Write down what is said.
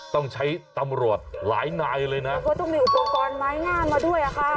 ต้องใช้ตำรวจหลายนายเลยนะก็ต้องมีอุปกรณ์ไม้งามมาด้วยอ่ะค่ะ